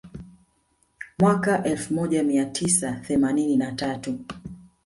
Mwaka elfu moja mia tisa themanini na tatu